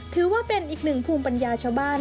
ถือว่าเป็นอีกหนึ่งภูมิปัญญาชาวบ้าน